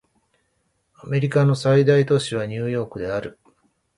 アメリカの最大都市はニューヨークである